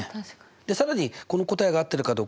更にこの答えが合ってるかどうかをね